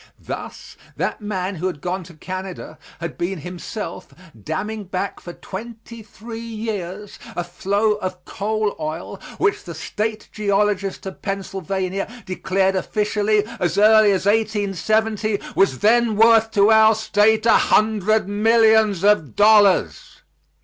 Thus that man who had gone to Canada had been himself damming back for twenty three years a flow of coal oil which the State Geologist of Pennsylvania declared officially, as early as 1870, was then worth to our State a hundred millions of dollars.